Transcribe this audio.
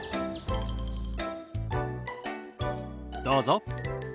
どうぞ。